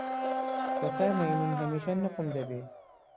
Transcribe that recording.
کۆتا مەیموون هەمیشە نوقم دەبێت.